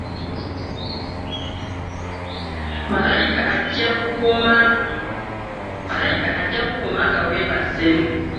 Malayika ajja kukukuuma nga weebase.